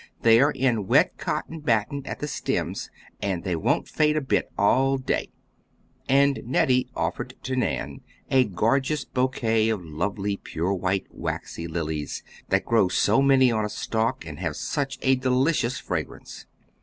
They are in wet cotton battin at the stems, and they won't fade a bit all day," and Nettie offered to Nan a gorgeous bouquet of lovely pure white, waxy lilies, that grow so many on a stalk and have such a delicious fragrance.